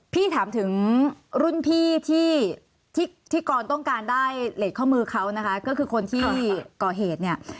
พี่ถามถึงรุ่นพี่ที่กรต้องการได้เลสข้อมือเขานะคะก็คือคนที่ก่อเหตุเนี่ย